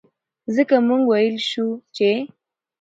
ځکه مونږ وئيلے شو چې